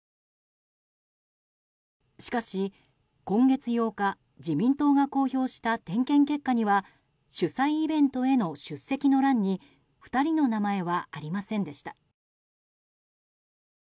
しかし、今月８日自民党が公表した点検結果には主催イベントへの出席の欄に２人の名前はありませんでした。